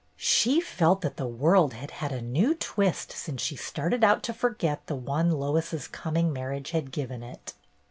She felt that the world had had a new twist since she started out to forget the one Lois's coming marriage had given it.